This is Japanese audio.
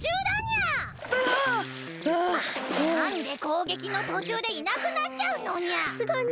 なんでこうげきのとちゅうでいなくなっちゃうのにゃ！